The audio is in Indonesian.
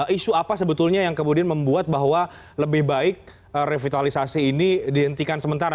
isu apa sebetulnya yang kemudian membuat bahwa lebih baik revitalisasi ini dihentikan sementara